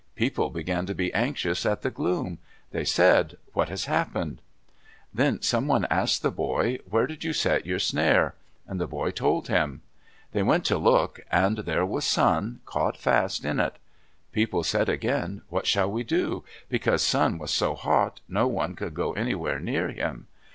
People began to be anxious at the gloom. They said, "What has happened?" Then someone asked the boy, "Where did you set your snare?" and the boy told him. They went to look, and there was Sun caught fast in it. People said again, "What shall we do?" because Sun was so hot no one could go anywhere near him.